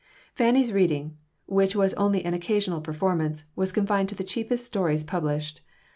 Fanny's reading, which was only an occasional performance, was confined to the cheapest stories published.